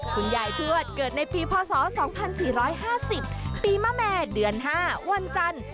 คุณยายทวดเกิดในปีพศ๒๔๕๐ปีมะแม่เดือน๕วันจันทร์